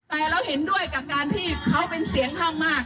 แต่เราเห็นด้วยกับการที่เขาเป็นเสียงข้างมาก